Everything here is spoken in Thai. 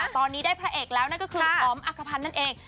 ตอนนี้ได้พระเอกแล้วนั่นก็คืออ๋อมอักภัณฑ์นั่นเอง